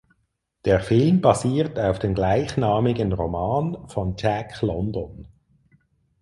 Der Film basiert auf dem gleichnamigen Roman von Jack London.